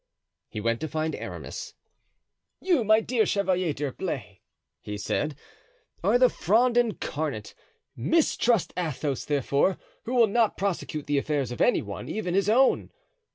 He went to find Aramis. "You, my dear Chevalier d'Herblay," he said, "are the Fronde incarnate. Mistrust Athos, therefore, who will not prosecute the affairs of any one, even his own.